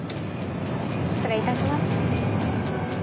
失礼いたします。